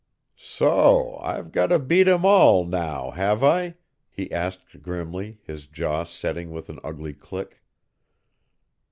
"So I've got to beat 'em all now, have I?" he asked grimly, his jaw setting with an ugly click.